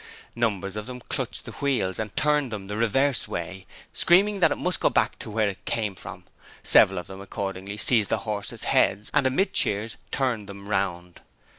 Numbers of them clutched the wheels and turned them the reverse way, screaming that it must go back to where it came from; several of them accordingly seized the horses' heads and, amid cheers, turned them round.